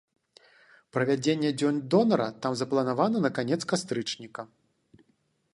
Правядзенне дзён донара там запланавана на канец кастрычніка.